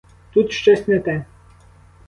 Тут щось не те!